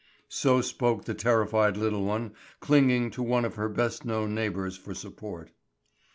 So spoke the terrified little one, clinging to one of her best known neighbors for support.